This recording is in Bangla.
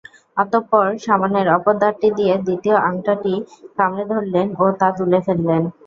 অতঃপর সামনের অপর দাঁতটি দিয়ে দ্বিতীয় আংটাটি কামড়ে ধরলেন ও তা তুলে ফেললেন।